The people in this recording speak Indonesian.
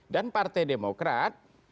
dan partai demokrat